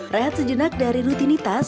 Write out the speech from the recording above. rehat sejenak dari rutinitas